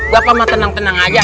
bapak ma tenang tenang aja